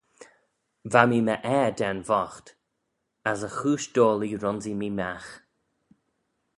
Va mee my ayr da'n voght: as y chooish doillee ronsee mee magh.